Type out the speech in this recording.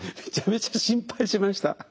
めちゃめちゃ心配しました。